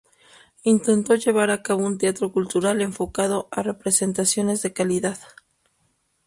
Intentó llevar a cabo un teatro cultural enfocado a representaciones de calidad.